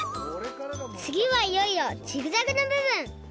つぎはいよいよジグザグの部分！